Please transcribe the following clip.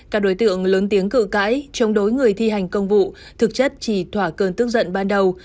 các đối tượng lớn tiếng cử cãi chống đối người thi hành công vụ thực chất chỉ thỏa cơn tức giận ban đầu